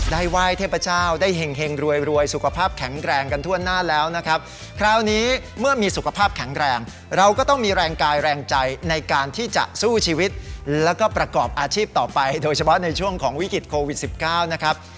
ไหว้เทพเจ้าได้เห็งรวยสุขภาพแข็งแรงกันทั่วหน้าแล้วนะครับคราวนี้เมื่อมีสุขภาพแข็งแรงเราก็ต้องมีแรงกายแรงใจในการที่จะสู้ชีวิตแล้วก็ประกอบอาชีพต่อไปโดยเฉพาะในช่วงของวิกฤตโควิด๑๙นะครับ